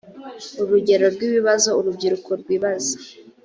urugero rw’ibibazo urubyiruko rwibaza